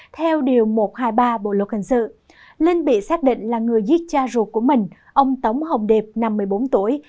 theo điều một trăm hai mươi ba bộ luật hình sự linh bị xác định là người giết cha ruột của mình ông tống hồng điệp năm mươi bốn tuổi